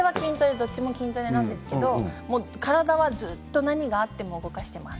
どちらも筋トレなんですけれど体は何があっても動かしています。